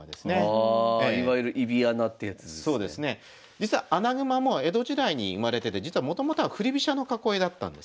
実は穴熊も江戸時代に生まれてて実はもともとは振り飛車の囲いだったんですね。